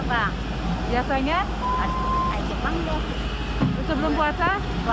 puasa takut harus baca